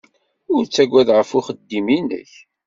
Ur ttagad ɣef uxeddim-nnek.